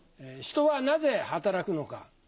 人はなぜ働くのか？